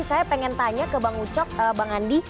saya pengen tanya ke bang ucok bang andi